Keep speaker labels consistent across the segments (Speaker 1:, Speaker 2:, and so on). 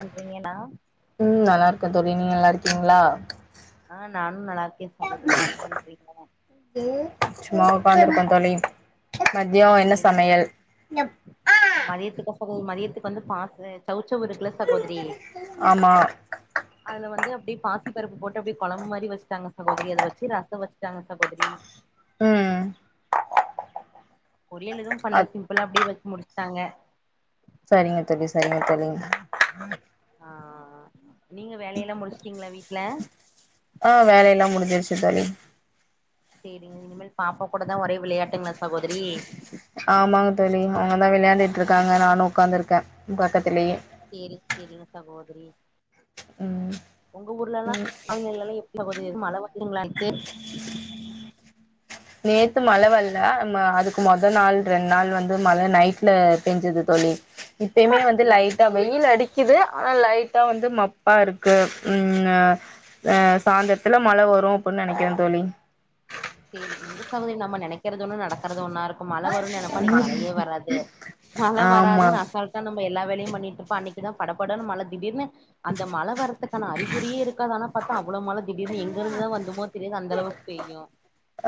Speaker 1: பண்றீங்கன்னா
Speaker 2: ம் நல்லா இருக்கே தோழி நீங்க நல்லா க்கீங்களா
Speaker 1: ஆ நானு நல்லா இருக்கே சகோதரி என்ன பண்றீங்களா
Speaker 2: சும்மா உக்காந்துருக்கோ தோழி மதியயோ என்ன சமையல்
Speaker 1: போகு மதியதுக்கு வந்து பசே சவ் ச்சவு இருக்கு இல்ல சகோதரி
Speaker 2: ஆமா
Speaker 1: அதுல வந்து அப்பிடியே பாசி பருப்பு போட்டு அப்பிடியே கெழம்பு மாரி வச்சிட்டாங்க சகோதரி அத வச்சி ரசோ வச்சிட்டாங்க சகோதரி
Speaker 2: ம்
Speaker 1: பொரியல் எதுவு பண்ணல
Speaker 2: அத்
Speaker 1: சிம்பளா அப்பிடியே வெச்சிமுடிச் ட்டாங்க
Speaker 2: சரிங்க தோழி சரிங்க தோழி
Speaker 1: ஆஆ நீங்க வேலையெல்லா முடிச்சிட்டிங்களா வீட்ல
Speaker 2: ஆ வேலை எல்லா முடிஞ்சிருச்சி தோழி
Speaker 1: சேரிங்க இனிமேல் பாப்பா கூட தா ஒரே விளையாட்டுங்களா சகோதரி
Speaker 2: ஆமாங்க தோழி அவுங்க தா விளையாண்டுட்டு இருக்காங்க நானு உட்காந்து இருக்கே பக்கத்துலியே
Speaker 1: சேரிங் சேரிங் சகோதரி
Speaker 2: ம்
Speaker 1: உங்க ஊர்லலா ஆன்ளைன்லலா எப் சகோதரி மழ வருந்துங்களா நேத்து
Speaker 2: நேத்து மழ வரல அ அதுக்கு மொத நாள் ரெண்டு நாள் வந்து மழ நைட்ல பெஞ்சது தோழி இப்பயுமே வந்து
Speaker 1: சேரிங்க
Speaker 2: லைட்டா
Speaker 1: சேரிங்க
Speaker 2: வெயில் அடிக்குது ஆனா லைட்டா வந்து மப்பா இருக்கு ம் அ சாயந்ததுல மழ வரு அப்பிடின்னு நெனைக்கிறே தோழி
Speaker 1: கே எங்க சாமி நம நெனைக்கறது ஒன்னு நடக்குறது ஒன்னா இருக் க் மழ வரு நெனப்போ அன்னைக்கு மழையே வராது மழ
Speaker 2: ஆமா
Speaker 1: வராதுனு அசால்டா நம்ம எல்லா வே வேலையு பண்ணிட்டு இருப்போ அன்னைக்கு தா படப்படனு மழ திடீர்னு அந்த மழ வரத்துக் க்கான அறிகுறியே இருக்காது ஆனா பத்தா அவ்ளோ மழ திடீர்னு எங் எங்கருதா வந்தமோ தெரியாது அ அந்தளவுக்கு பெய்யும்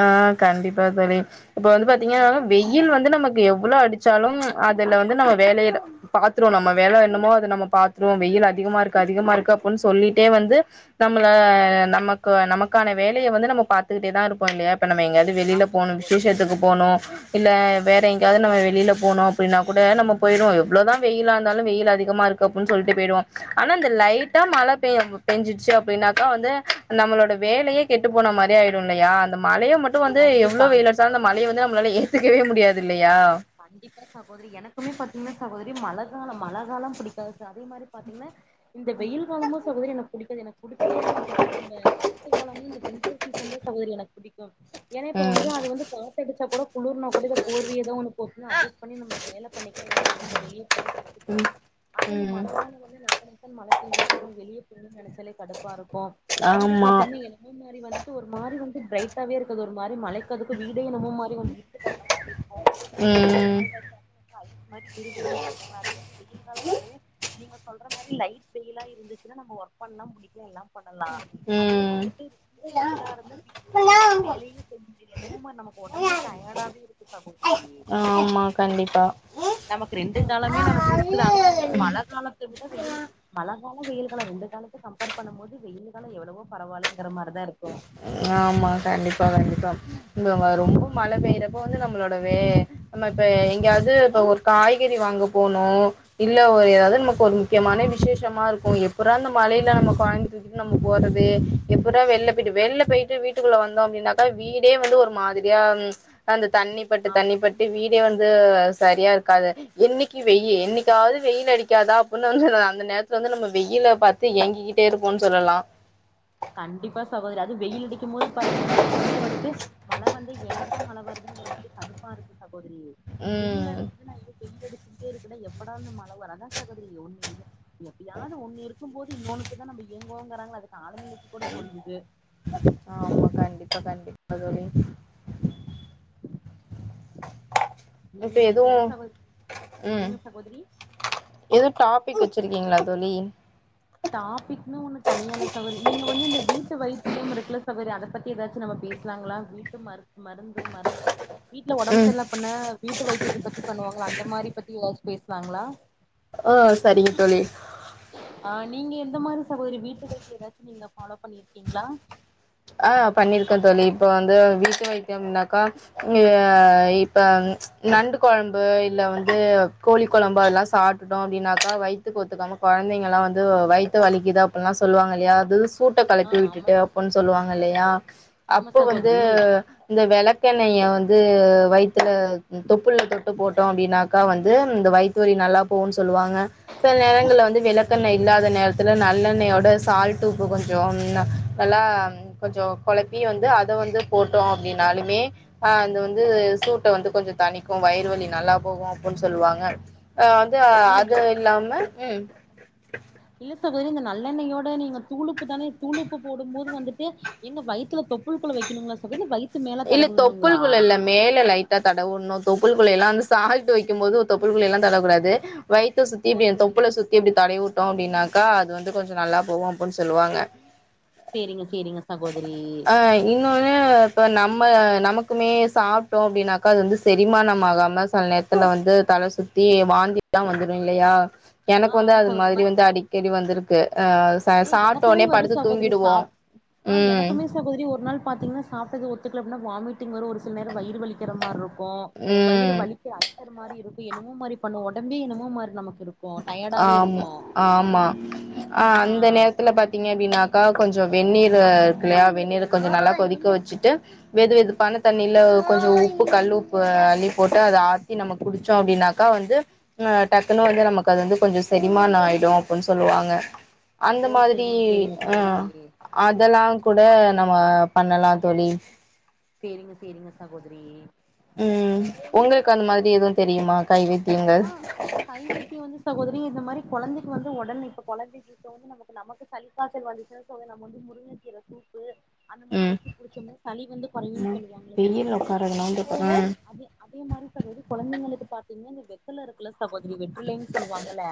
Speaker 2: ஆ கண்டிப்பா தோழி இப்ப வந்து பாத்தீங்கன்னா வெயில் வந்து நமக்கு எவ்ளோ அடிச்சாலும் அதுல வந்து நம்ம வேலயில பாத்துருவோம் நம்ம வேலை என்னமோ அத நம்ம பாத்துருவோம் வெயில் அதிகமா இருக்கு அதிகமா இருக்கு அப்படின்னு சொல்லிட்டே வந்து நம்மள ஆ நமக்கு நமக்கான வேலய வந்து நம்ம பாத்துக்கிட்டே தான் இருப் போம் இல்லையா இப்ப நம்ம எங்காவது வெளியில
Speaker 1: ஆமா
Speaker 2: போனும்
Speaker 1: சகோதரி
Speaker 2: விசேஷத்துக்கு போனும் இல்ல வேற எங்கயாவது நம்ம வெளியில போனோம் அப்படின்னா கூட நம்ம போயிடுவோம் எவ்ளோதான் வெயிலா இருந்தாலும் வெயில் அதிகமா இருக்கு அப்டின்னு சொல்லிட்டு போயிடுவோம் ஆனா இந்த லைட்டா மழை பெஞ்சுடுச்சு அப்படின்னாக்கா வந்து நம்மளோட வேலயே கெட்டு போனா மாரி ஆயிடும் இல்லையா இந்த மலையும் இப்ப மட்டும் வந்து
Speaker 1: கண்டிப்பா
Speaker 2: எவ்வளோ வெயில அடிச்சாலும் மழைய வந்து உன்னால ஏத்துக்கவே முடியாதில்
Speaker 1: கண்டிப்பா சகோதிரி எனக்குமே பாத்தீங்கன்னா சகோதிரி மழ காலம் மழக் காலம் புடிக்காது அதே மாரி பாத்திங்கன்னா இந்த வெயில் காலமும் சகோதரி எனக்கு புடிக்காது எனக்கு புடிச்சதே வந்து இந்த இந்த காத்துகாலமும் இந்த பிம்பிள் சிசனுந்தான் சகோதரி எனக்கு புடிக்கும் ஏன்னா
Speaker 2: ம்
Speaker 1: இப்பவந்து காத்து அடிச்சா கூட குளூர்னா கூட இந்தப் போர்வீயதான் ஒன்னு ஒப்னா அட்ஜஸ் பண்ணி நம்ம வேலை பண்ணிக்கலாம் எல்லாம் பண்ணிக்க வே வெயில் எடுத்துக்கலாம் அதே
Speaker 2: ம்
Speaker 1: இந்த
Speaker 2: ம்
Speaker 1: மழை காலம் வந்து நச நசன்னு மழை பெஞ்சிற்றிருக்கும் போது வெளிய போனுன்னு நெனைச்சாலே கடுப்பாருக்கும் ப்போம் வீடு
Speaker 2: ஆமா
Speaker 1: பாத்தீங்கன்னா என்மோ மாதிரி வந்துட்டு ஒரு மாரி வந் பிரைடட்டாவே இருக்கது ஒரு மாரி மழைக் அதுக்கு வீடே என்னமோ மாரி கொஞ்சம் இருட்டு கட்டின மாரி இருக்கும் தரைல
Speaker 2: ம்
Speaker 1: கால் வச்சாவே எனக்கு ஐஸ் மாரி விறுவிறுன்னு இருக்குங்களா அதே மாரி வெயில் கால வந்தாலுமே நீங்க சொல்ற மாரி லைட் வெயில்லா இருந்துச்சுன்னா நம்ம ஒர்க் பண்ணலா முடியும் எல்லாம் பண்ணலா அதே
Speaker 2: ம்
Speaker 1: வந்துட்டு ரொம்ப வெயிலா இருந்தா பீச்ல வச்சா வேலையே செஞ்ச என்னமோ மாரி நமக்கு உடம்பே டயர்டாவே இருக்கு சகோதரி
Speaker 2: ஆமா கண்டிப்பா
Speaker 1: நமக்கு ரெண்டு காலமே நமக்கு ரிஸ்க்குதான் ஆனா வந்துட்டு மழ காலத்த விட வெயில் மழ மழ காலம் வெயில்லு காலம் ரெண்டு காலத்து கம்பேர் பண்ணும்போது வெயில்லு காலம் எவ்வளவோ பரவால்லிங்
Speaker 2: ஆமா கண்டிப்பா கண்டிப்பா வரும் ரொம்ப மழ பெய்றப்ப வந்து நம்ளோட வே நம்ம இப்ப எங்கயாது இப்ப ஒரு காய்கறி வாங்க போனும் இல்ல ஒரு ஏதாவது நமக்கு ஒரு முக்கியமான விசேஷமா இருக்கும் எப்புறா இந்த மழைல நம்ம கொழந்தைய தூக்கிட்டு நம்ம போறது எப்புறா வெள்ள வீட்டு வெள்ள போயிட்டு வீட்டுக்குள்ள வந்தோம் அப்டின்னாக்கா வீடே வந்து ஒரு மாதிரியா ம் அந்த தண்ணி பட்டு
Speaker 1: ஆமா
Speaker 2: தண்ணி பட்டு வீடே வந் து சரியா இருக்காது இன்னைக்கு வெய்யு என்னைக்காவது வெயில் அடிக்காதா அப்டின்னு வந்து அந்த நேரத்துல வந்து நம்ம வெயில பாத்து ஏங்கிக்கிட்டே இருப்போன்னு சொல்லலாம்
Speaker 1: கண்டிப்பாஸ் சகோதரி அதும் வெயில் அடிக்கும் போது பாத்தீங்கனா [inaudible] வந்துட்டு மழ வந்து ஏண்டா மழ வருதுங்கிற மாரி து கடுப்பா இருக்கு ச கோதரி வெயில்
Speaker 2: ம்.
Speaker 1: அடுக்கிதுன்னா இது வெயில் அடிக் ச்சுக்கிட்டே இருக்குடா எப்படா இந்த மழ வரு அதா சகோதரி ஒன்னு இது எப்பயாது ஒன்னிரு க்கும்போது இன்னொன்னுக்குதா நாங்க ஏங்குவோங்குறாங்கல்ல அதுக்கு [unintelligible]
Speaker 2: ஆமா கண்டிப்பா கண்டிப் பா தோழி
Speaker 1: நீங்க
Speaker 2: இப்ப
Speaker 1: நேத்து என்ன
Speaker 2: எதுவும்
Speaker 1: சமச்
Speaker 2: ம்
Speaker 1: சொல்லுங்க சகோதரி
Speaker 2: பிக் வச்சிருக்கீங்ளா தோழி?
Speaker 1: டாபிக்னு ஒன்னு தனியால்ல சகோரி நீங்க வந்து இந்த வீட்டு வை த்தியம் இருக்குல்ல சகோதரி அத பத்தி எதாச்சு நாம பேசலாங்ளா வீட்டு மரு மருந்து மரு வீட்ல ஒடம்ப்
Speaker 2: ம்
Speaker 1: சர்ல பண்ண வீட்டு வைத்தியத்த பத்தி பண்ணுவாங்கள அந்த மாரி பத்தி எதாச்சு பேச லாங்ளா
Speaker 2: ஆ சரிங்க தோழி
Speaker 1: ஆ நீங்க எந்த மாரி சகோதரி வீட்டு வைத்திய எதாச்சு நீங்க ஃபாலோ பண்ணிருக்கீங்ளா?
Speaker 2: ஆ பண்ணிருக்க தோழி இப்ப வந்து வீட்டு வைத்தியம்னாக்கா ஆ இப்ப நண்டு கொழம்பு இல்ல வந்து கோழி கொழம்பு அதுல்லா சாப்டுட்டோ அப்டின்னாக்கா வயித்துக்கு ஒத்துக்காம கொழந்தைங்கலா வந்து வயித்து வலிக்குது அப்பில்லா சொல்வாங்கல்லியா அது பூட்ட
Speaker 1: ஆ
Speaker 2: கலத்து
Speaker 1: ஆமா
Speaker 2: விட்டுட்டு அப்புன் சொ ல்லுவாங்கல்லயா
Speaker 1: ஆமா
Speaker 2: அப்போ வந்து
Speaker 1: சகோதரி
Speaker 2: இந்த வெளக்கெண்ணய வந்து வயித்துல தொப்புள்ல தொட்டு போட்டோ‌ அப்டின்னாக்கா வந்து இந்த வயித்து வலி நல்லா போவுன் சொல்வாங்க சில நேரங்கள்ல வந்து
Speaker 1: செரிங்க
Speaker 2: விளக்கெண்ண
Speaker 1: செரி
Speaker 2: இல்லாத நேரத்துல ந ல்லெண்ணயோட ஸால்டு உப்பு கொஞ்சொம் நல்லா கொஞ்சோ கொழப்பி வந்து அத வந்து போட்டோ அப்டின்னாலுமே அ அந்த வந்து சூட்ட வந்து கொஞ்ச தணிக்கு வயிறு வலி நல்லா போகு அப்புன் சொல்வாங்க ஆ வந்து
Speaker 1: ஆ
Speaker 2: அது இல்லாம ம்
Speaker 1: இல்ல சகோதிரி இந்த நல்லெண்ணெயோட நீங்க தூளுப்பு தானே தூளுப்பு போடும் போது வந்துட்டு எங்க வய்த்துல தொப்புள்குள்ள வெக்கணுங்களா சகோரி இல்ல வயித்
Speaker 2: இல்ல தொப்புள்குள்ள இல்ல மேல லைட்டா தடவுட்னு தொப்புள் குள்ள எல்லா வந்து சால்ட் வைக்கும் போது தொப்புள்குள்ளயெல்லா தடவக்கூடாது வயித்த சுத்தி
Speaker 1: ஓ
Speaker 2: இப்டியே
Speaker 1: செரிங்
Speaker 2: தொப்புள சுத்தி இப்டி தடவி வுட்டோ அப்டின்னா க்கா அது வந்து கொஞ்ச நல்லா போவு அப்புன் சொல்வாங்க
Speaker 1: சேரிங்க சேரிங்க சகோதரி
Speaker 2: இன்னொன்னு இப்ப நம்ம நமக்குமே சாப்டோ அப்டின்னாக்கா அது வந்து செரிமானமாகாம சல் நேர்த்துல வந்து தல சுத்தி வாந்திலா வந்துரு இல்லயா
Speaker 1: ஆ
Speaker 2: எனக்கு வந்து
Speaker 1: ஆமா
Speaker 2: அது
Speaker 1: சகோதரி
Speaker 2: மாதிரி
Speaker 1: மாரி
Speaker 2: வந்து அடிக்கடி வந்துரு
Speaker 1: ஏ எனக்குமே வரு சகோதரி
Speaker 2: தூங்கிடுவோ
Speaker 1: சாவ் ஆ
Speaker 2: ம்
Speaker 1: எனக்குமே சகோதரி ஒரு நாள் பாத்தீங்ன்னா சாப்டது ஒரு [unintelligible] இல்லன்னா வாமிடிங் வரு ஒரு சில நேர வயிறு வலிக்கிற மாரிருக்கு ஹோ வயிறு
Speaker 2: ம்
Speaker 1: வலிக்கு அல்சர் மாரியிருக்கு என்னமோமரி பண்ணு வொடம்பே என்னமோ மாரி நமக்
Speaker 2: ஆமா ஆமா ஆ அ அந்த நேரத்துல பாத்தீங்க அப்டின்னாக்கா கொஞ் கொஞ்ச வெந்நீரு இருக்லயா வெந்நீர கொஞ்ச நல்லா கொதிக்க வச்சிட்டு வெது வெது பான தண்ணியில கொஞ்ச உப்பு கல்லு உப்பு அலி போட்டு அத ஆத்தி நம்ம குடிச்சோ அப்டின்னாக்கா வந்து அ டக்குனு வந்து நமக் க்க அது வந்து கொஞ்ச செரிமான ஆயிடு அப்டின் சொல்லுவாங்க அந்த
Speaker 1: ஓ
Speaker 2: மாதிரி
Speaker 1: சேரிங்க சேரிங்க
Speaker 2: அ
Speaker 1: சகோதரி
Speaker 2: அதெல்லா கூட நம்ம பண்ணலா தோழி
Speaker 1: சேரிங்க சேரிங்க சகோதரி
Speaker 2: ம் உங்களுக் அந்த மாரி எதுவு தெரியுமா கைவித்
Speaker 1: ஆ கை வைத்தியோ வந்து சகோதரி வீ இத மாரி கொழந்தக்கி வந்து உடன இப்ப கொழந்தக்கி இப்ப வந்து நமக்கு நமக்கு சளிகாச்சல் வந்துச்சுன் சொல்லி நம்ம வந்து முருங்ககீற சூப்பு அந்த மாரி
Speaker 2: ம்
Speaker 1: வச்சி புடிச்சோம்னா சளி வந்து கொறய்ன்
Speaker 2: நா
Speaker 1: சொல்லுவாங்ல்கு
Speaker 2: வெயில்ல
Speaker 1: சகோதரி
Speaker 2: உக்காரதுனா வந்து
Speaker 1: அதே
Speaker 2: பாத்தா
Speaker 1: மாரி அத அதே மாரி சகோதரி கொழந்தைகளுக்கு பாத்ங் இந்த பெட் இதுல இருக்குல சகோரி நீ வெற்றிலைனு சொல்லுவாங்கள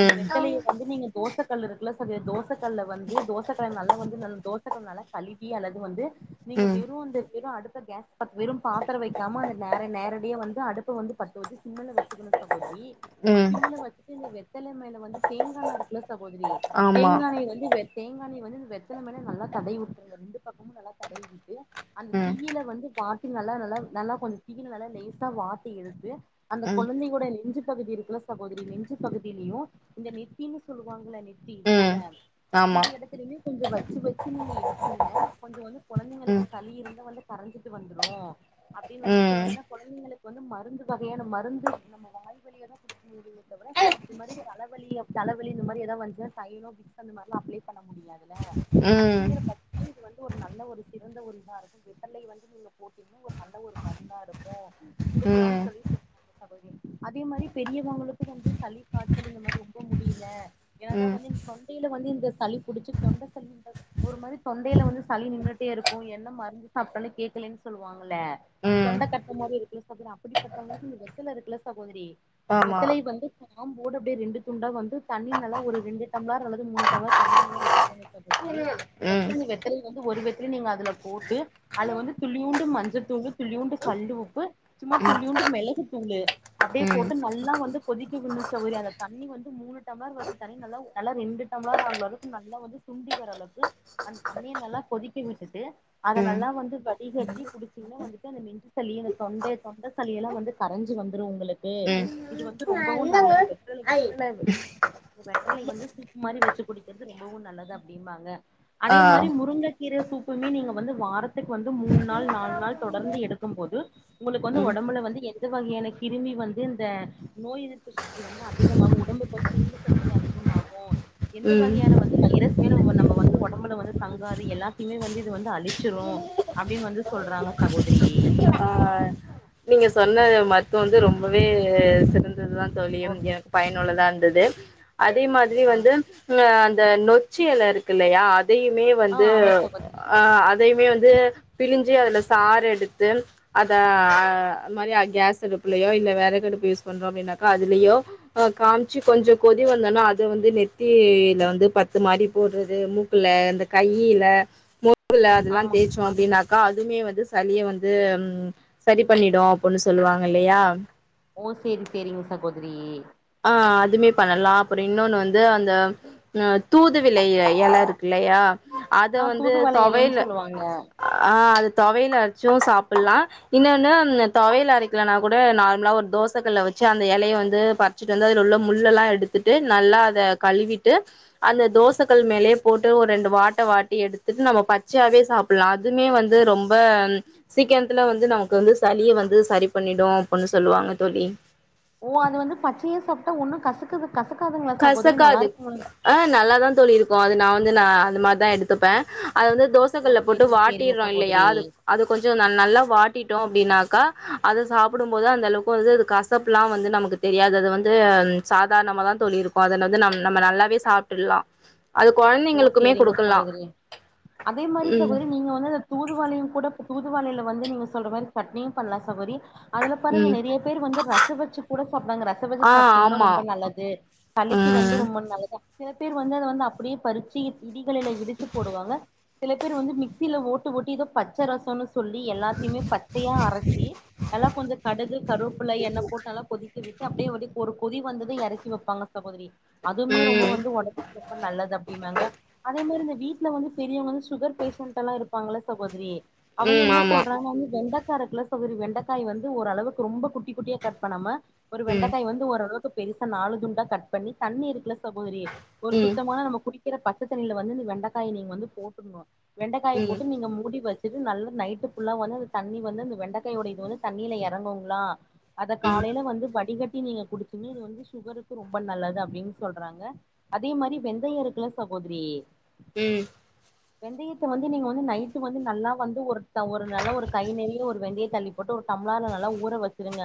Speaker 1: அந்த வெத்தலய வந்து நீங்க தோசக் கல் இருக்குல சரி தோசக்கல்ல வந்து தோசக்கல நல்லா வந்து நல் தோசக்கல நல்ல கழுவி அல்லது வந்து நீங்க
Speaker 2: ம்
Speaker 1: வெறு அந்த வெறு அடுப் த்த கேஸ் பத் வெரு பாத்தர வைக்காம அந்த நேர நேரடிய வந்து அடுப்பு வந்து பத்த வச்சி சிம்ல வச் திக்னஸா போது ஈ
Speaker 2: ம்
Speaker 1: சிம்ல வச்சின் வெர் த்தலமயில வந்து தேங்கானா இருக்குல சகோதரி
Speaker 2: ஆமா
Speaker 1: தேங்கானை வந்து வே தேங்கானை இபவந்து இந்த வெத்தல மேல நல்லா தடவி வுட்ர்ங்கந்து பக்கமு நல்லா தடவிவுட்டு அந்த
Speaker 2: ம்
Speaker 1: தீயில வந்து வாட் நல்லா நல்லா நல்லா கொஞ்ச தீயீல நெய்ஸ்ஸா வாட்டி எடுத்து
Speaker 2: ம்
Speaker 1: கொழந்தகோட நெஞ்சிப் ப் பகுதி இருக்குல சகோதரி நெஞ்சி பகுதிலயு இந்த நெத்தினு சொல்லுவாங்கள நெத் தீ தல
Speaker 2: ம் ஆமா
Speaker 1: அந்த எடத்துலயுமே கொஞ்சோ வச்சி வச்சி நீங்க எடுபீங்ள கொஞ்சோ வந்து கொழந்தைங்களுக்கு
Speaker 2: ம்
Speaker 1: சளி இருந்த வந்து கரஞ்சிட்டு வந்துரு அப்பிடின் வந்து
Speaker 2: ம்
Speaker 1: சொல்லுவாங்க கொழந்தைகளுக் வந்து மருந்து வகையான மருந்து நம்ம வாய் வழியாதா குடுக்க முடியு ட்டப்ர இது மாரி தலவலிய தலவலி இந்த மாரி எத வஞ்சினா தைலோ விக்ஸ் அந்த மாரிலா அப்லே பண்ண முடியாதுல்ல
Speaker 2: ம்
Speaker 1: அப்பிடிங்கற பத்து இது வந்து ஒரு நல்ல ஒரு சிட் இருந்த ஒரு இதா இருக்கு வெப்பலை வந்து நீங்க போட்டிங்கன் நல்ல ஒரு மருந்தா இருக்கு
Speaker 2: ம்
Speaker 1: குடுக்கலாம்னு சொல்லி சொன்னாங்க அதுமே அதே மாரி பெரியவங்களுக்கு வந்து சளி காய்சல் இந்த மாரி ரொம்போ முடியல ஏன்னதா
Speaker 2: ம்
Speaker 1: வந்து இந்த தொண்டையில வந்து இந்த சளி புடிச்சி தொண்ட சளி ஒரு மாரி தொண்டையில வந்து சளி நின் ட்டே இருக்கு என்ன மருந்து சாப்பிட்டாலு கேக்கலன்னு சொல்லுவாங் அல்ல
Speaker 2: ம்
Speaker 1: தொண்ட கட்டுன மாரி இருக்குல்ல சாப்பற அப்பிடிப்பட்டவங்களுக்கு இந்த த்து இருக்கு இல்ல சகோதரி
Speaker 2: ஆமா
Speaker 1: வெத்தலை வந்து காம்போட அப்பிடியே ரெண்டு துண்டா வந்து தண்ணிர் நல்ல ஒரு ரெண்டு டம்ளார் அல்லது மூனுடம்ளர் தண்ணி நல்லா வச்சிக்கோங்க சகோதரி வச்ச
Speaker 2: ம்
Speaker 1: அந்த வெத்தலைல வந்து ஒரு வெத் து நீங்க அக் துல போட்டு அல வந்து துள்ளியுண்டு மஞ்சத் த்து வந்து துள்ளியூண்டு கல்லு உப்பு சும்மா
Speaker 2: ம்
Speaker 1: துள்ளியுண்டு மெளகு து அப்பிடியே
Speaker 2: ம்
Speaker 1: போட்டு நல்லா வந்து கொதிக்கவிடுனு சகோதரி அந்த தண்ணி வந்து மூணு டம்ளர் வச்சி தண்ணி நல்லா நல்லா ரெண்டு டம்ளார ஆகர அளவுக்கு நல்லா வந்து சுண்டிவர அளவுக்கு அந்த தண்ணிய நல்லா கொதிக்கவிட்டுட்டு அத நல்லா வந்து வடிகட்டி குடிச்சீங்கன்னா வந்துட்டு அந்த நெஞ்சி சளி இந்த தொண்ட தொண்ட சளிய எல்லா வந்து கரஞ்சி வந்துரு உங்களுக் கு
Speaker 2: ம்
Speaker 1: இது வந்து ரொம்பவு நல்லது
Speaker 2: ம்
Speaker 1: வெற்ற வெற்றல வெற்றலை வந்து சூப்பு மாரி வச்சி குடிக்கிறது ரொம்பவு நல்லது அப்பிடிம்பாங்க அதே
Speaker 2: ஆ
Speaker 1: மாரி முருங்கக்கீரை சூப் நீங்க வந்து வாரத்துக்கு வந்து மூனு நாள் நாலு நாள் தொடர்ந்து எடுக்கும் போது உங்களுக்கு வந்து
Speaker 2: ம்
Speaker 1: உடம்ல வந்து எ இந்த வகையான கிருமி வந்து இந்த நோய் எதிர்ப்பு சக்தி வந்து அதிகமாகு உடம்புக்கு வந்து இரும்பு சக்தி அதிகமாகு எந்த
Speaker 2: ம்
Speaker 1: வகையான வந்து வைரஸ் நம்ம வந்து உடம்புல வந்து தங்காது எல்லாத்தையுமே வந்து இது வந்து அழிச்சிரு அப்டின்னு வந்து சொல்றாங்க சகோதரி
Speaker 2: ஆ நீங்க சொன்ன மருத்துவம் வந்து ரொம்பவே சிறந் தா தோழி
Speaker 1: ஓ
Speaker 2: எனக்கு பயனுள்ளதா இருந்தது அதே மாதிரி
Speaker 1: ஆ
Speaker 2: வந்து இந்த நொச்சி எல இருக்கு இல்லையா இதையுமே
Speaker 1: ஆ
Speaker 2: வந்து
Speaker 1: ஆமா சகோதரி
Speaker 2: ஆ அதையுமே வந்து இது பிழுஞ்சு அதுல சறு எடுத்து அத க அது மாதி‌ரி கேஸ் அடுப்புலையோ இல்ல வெரகு அடுப்பு யூஸ் பண்றோ அப்டினாக்கா அதுலய்யோ காமிச்சு கொஞ்சோ கொதி வந்தனோ அத வந்து நெத்தில பத்து மாரி போடுறது மூக்குல இந்த கையில முக்குல அதெல்லா
Speaker 1: ஆமா
Speaker 2: தேய்சோ அப்டினா கா அதுமே வந்து சளி வந்து உ சரி பண்ணிடு அப்டின்னு சொல்லுவாங்க. இல்லையா.
Speaker 1: ஓ சேரி சேரிங்க சகோதரி
Speaker 2: ஆ அதுமே பண்ணலா அப்றோ இன்னொன்னு வந்து அந்த தூது விலை எல இருக்கு இல்லையா. அத
Speaker 1: ஆ
Speaker 2: வந்து
Speaker 1: தூதுவள எலைன்னு
Speaker 2: தொவயல்
Speaker 1: சொல்லுவாங்க
Speaker 2: ஆ அது. தொவையல் அரச்சும் சாப்டலா இன்னொன்னு தொவயல் அரைக்கலனா கூட நார்மலா ஒரு தோச கல்ல வச்சு அந்த எலய வந்து ப. ச்சுட்டு வந்து அதுல உள்ள முள்ளல்லா எடுத்துட்டு நல்லா அத கழுவிட்டு அந்த தோச கல் மேலயே போட்டு ஒரு ரெண்டு வாட்ட வாட்டி எடுத்துட்டு நம்ம பச்சையாவே சாப்டலா அதுமே வந்து ரொம்ப சீக்கிரத்ல வந்து நமக்கு வந்து சளிய வந்து சரி பண்ணிடு அப்டின்னு சொல்லுவாங்க தோழி.
Speaker 1: ஓ அத வந்து பச்சய சாப்ட்டா ஒன்னு கசுக்குது.
Speaker 2: கசக்காது ஆ நல்லாதா தோழி இருக்கு. ஓ அது நா வந்து நா அந்த மாரிதா எடுத்துப்பே அத வந்து
Speaker 1: ஓ
Speaker 2: தோசைக்கல்ல போட்டு
Speaker 1: சேரிங்க சேரிங்க
Speaker 2: வாட்டிறோ இல்லையா
Speaker 1: சகோதரி
Speaker 2: அது அது கொஞ்சோ ந நல்லா வாட்டிட்டோ அப்டின்னாக்கா. அத சாப்டும் போது அந்த அளவுக்கு வந்து கசப்ல்லா வந்து நமக்கு தெரியாது அது வந்து சாதாரணமா தா தோழி இருக்கு அத வந்து நம் நம்ம நல்லாவே சாப்ட்டுல்லா
Speaker 1: ஓ சேரிங்க சகோதரி அதே மாரி
Speaker 2: ம்
Speaker 1: சகோதரி நீங்க வந்து அந்த தூதுவாளையு கூட. தூதுவாளைய்ல வந்து நீங்க சொல்ற மாரி சட்னியு பண்லா சகோதரி. அதுல பாருங்க
Speaker 2: ம்
Speaker 1: நெறய பேர் வந்து ரச வச்சு கூட சாப்டுவாங்க ரச வச்சு
Speaker 2: ஆ
Speaker 1: சாப்ட்டீங்னா
Speaker 2: ஆமா
Speaker 1: ரொம்ப நல்லது சளிக்கு வந்து
Speaker 2: ம்
Speaker 1: ரொம்ப நல்லது சில பேர் வந்து அத வந்து அப்டியே. பரு. ச்சி இடிகல்ல இடிச்சு போடுவாங்க. சில பேர் வந்து மிக்சில ஓட்டு ஓட்டி ஏதோ பச்ச ரசோனு. சொல்லி எல்லாத்தையுமே பச்சையா அரச்சி எல்லா கொஞ்சோ கடுகு கருவேப்ல எண்ணெ போட்டு நல்லா கொதிக்க விட்டு. து அப்டே ஒரே ஒரு கொதி வந்தது எறக்கி வப்பாங்க சகோதிரி. அதுமே ரொம்ப
Speaker 2: ம்
Speaker 1: வந்து ஒடம்புக்கு ரொம்ப நல்லது அப். ங்க அதே மாரி இந்த வீட்ல வந்து பெரியவங்க வந்து சுகர் பேஷன்ட் எல்லாம் இருப்பாங்கள சகோதிரி. அவங்க
Speaker 2: ம்
Speaker 1: என்ன
Speaker 2: ஆமா
Speaker 1: சொல்றாங்கன்னு வெண்டா கேரட் இல்ல சகோதிரி வெண்டக்காய் வந்து ஓரளவுக்கு ரொம்ப குட்டி குட்டியா கட் பண்ணாம. ஒரு
Speaker 2: ம்
Speaker 1: வெண்டக்காய் வந்து ஓரளவுக்கு. பெருசா நாலு துண்டா கட் பண்ணி தண்ணீ இருக்குல. சகோதரி ஒரு
Speaker 2: ம்
Speaker 1: சுத்தமான நம்ம குடி கிற பச்ச தண்ணியில வந்து இந்த வெண்டைக்காய் நீங்க வந்து போட்ருனும். வெண்டைக்காய
Speaker 2: ம்
Speaker 1: போட்டு நீங்க மூடி வச் சிட்டு நல்லா நைட்டு புல்லா வந்து அந்த தண்ணி வந்து அந்த வெண்டைக்காயோட இது வந்து தண்ணியில எறங்குங்களா. அத
Speaker 2: ம்
Speaker 1: காலையில வந்து வடிகட் டி நீங்க குடிச்சிங்கனா இது வந்து சுகருக்கு ரொம்ப நல்லது அப்டின் சொல்றாங்க அதே மாரி வெந்தய இருக்குல. சகோதிரி
Speaker 2: ம்
Speaker 1: வெந்தயத்த வந்து நீங்க வந்து நைட்டு வந்து நல்லா வந்து ஒரு. த ஒரு நல்ல ஒரு கை நெறியா ஒரு வெந்தய தள்ளி போட்டு ஒரு டம்ளார்ல நல்லா ஊற வச்சிருங்க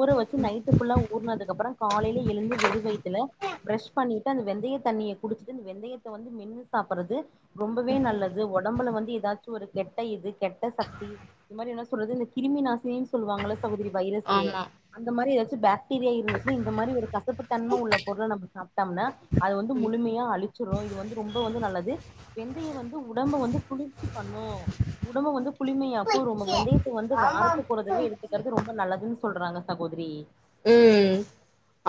Speaker 1: ஊற வச்சி நைட்டு ஃபுல்லா ஊறனதுக்கு அப்புறோம் காலையில எழுந்து வெறும் வயித்துல பிரஷ் பண்ணி ட்டு அந்த வெந்தய தண்ணிய குடிச்சிட்டு இந்த வெந்தய த்த வந்து மென்னு சாப்பறது ரொம்பவே நல்லது ஒடம்புல வந்து எதாச்சி ஒரு கெட்ட இது கெட்ட சக்தி இது மாரி இன்னு சொல்றது இந்த கிருமி நா சீன் சொல்லுவாங்க இல்ல சகோதிரி வைரஸு
Speaker 2: ஆமா
Speaker 1: அந்த மாரி எதாச்சி து பேக் டீரியா இருந்துச்சினா இந்த மாரி ஒரு கசப்பு தன்ம உள்ள பொருள நம்ப சாப்ட்டம்னா அது வந்து
Speaker 2: ம்
Speaker 1: முழுமையா அழிச்சி கும் இது வந்து ரொம்ப வந்து நல்லது வெந்தியம் வந்து உடம்ப வந்து குளிர்ச்சி பண்ணும் உடம்ப வந்து குளிமையாக்கும் ரொம்ப வெந்தயத்த வந்து வாரத்துக்கு ஒரு தடவ எடுத்துக்கறது ரொம்ப நல்லது சொல்றாங்க சகோதிரி
Speaker 2: ம்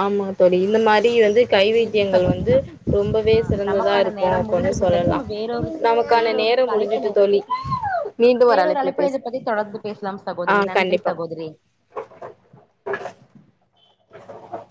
Speaker 2: ஆமா தோழி இந்த மாரி இப்டி வந்து
Speaker 1: சேரிங்க
Speaker 2: கைவைத்தியங்கள்
Speaker 1: சகோதரி
Speaker 2: வந்து
Speaker 1: நா
Speaker 2: ரொம்பவே
Speaker 1: ஆ
Speaker 2: சிறந்ததா
Speaker 1: நமக்கான
Speaker 2: இருக்கும்
Speaker 1: நேரம்
Speaker 2: அப்போன்னு
Speaker 1: முடிந்து விட்டது
Speaker 2: சொல்லலா
Speaker 1: நம்ம வேறொரு
Speaker 2: நமக்கான
Speaker 1: வேறொரு
Speaker 2: நேரம்
Speaker 1: தலைப்புல
Speaker 2: முடிஞ்சிட்டு தோழி மீண்டும் வர
Speaker 1: வேறொரு
Speaker 2: அழைப்புல
Speaker 1: இத
Speaker 2: பேசலா
Speaker 1: பத்தி தொடர்ந்து பேசலாம்
Speaker 2: ஆ
Speaker 1: சகோதரி நன்றி
Speaker 2: கண்டிப்பா
Speaker 1: சகோதரி
Speaker 2: [inaudible]